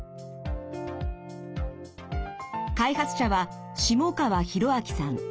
開発者は下川宏明さん。